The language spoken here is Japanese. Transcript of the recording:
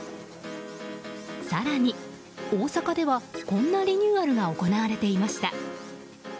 更に、大阪ではこんなリニューアルが行われていました。